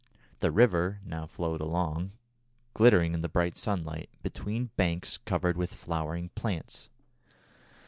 The river now flowed along, glittering in the bright sunlight, between banks covered with flowering plants.